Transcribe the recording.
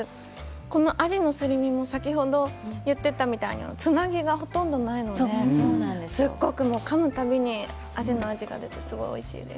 このあじのすり身も先ほど言ってみたいにつなぎがほとんどないのでかむ度にあじの味が出ておいしいです。